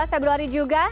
tujuh belas februari juga